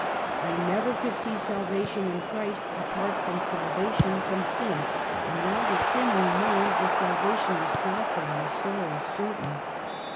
I never could see salvation in Christ apart from salvation from Go TO Boarding School. 27 sin, and wliile the sin remained the salvation was doubtful and the sorrow certain.